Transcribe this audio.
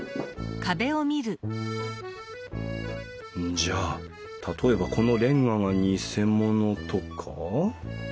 じゃあ例えばこのレンガが偽物とか？